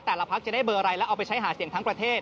แต่ละพักจะได้เบอร์อะไรแล้วเอาไปใช้หาเสียงทั้งประเทศ